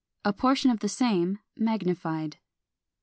A portion of the same, magnified.